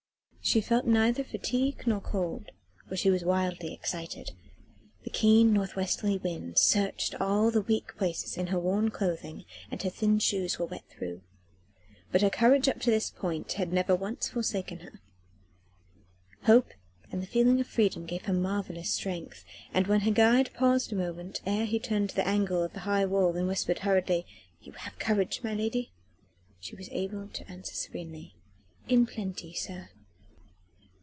She felt neither fatigue nor cold, for she was wildly excited. The keen north westerly wind searched all the weak places in her worn clothing and her thin shoes were wet through. But her courage up to this point had never once forsaken her. Hope and the feeling of freedom gave her marvellous strength, and when her guide paused a moment ere he turned the angle of the high wall and whispered hurriedly: "You have courage, my lady?" she was able to answer serenely: "In plenty, sir."